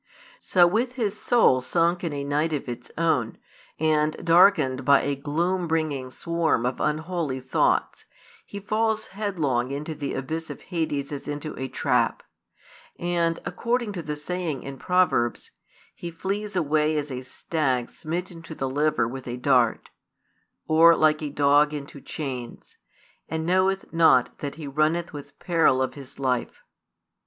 So with his soul sunk in a night of its own, and darkened by a gloom bringing |207 swarm of unholy thoughts, he falls headlong into the abyss of Hades as into a trap; and, according to the saying in Proverbs, he flees away as a stag smitten to the liver with a dart, or like a dog into chains, and knoweth not that he runneth with peril of his life.